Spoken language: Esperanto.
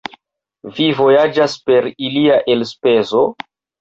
Vi vojaĝas per ilia elspezo?